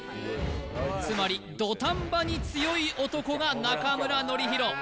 つまり土壇場に強い男が中村紀洋